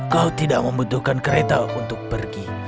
kau tidak membutuhkan kereta untuk pergi